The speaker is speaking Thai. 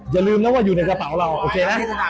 อย่าลืมนะว่าอยู่ในกระเป๋าเราโอเคนะ